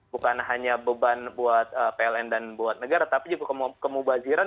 bukan hanya beban buat pln dan buat negara tapi juga kemubaziran